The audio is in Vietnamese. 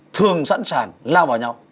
thường sẵn sàng lao vào nhau